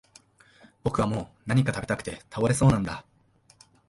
僕はもう何か喰べたくて倒れそうなんだ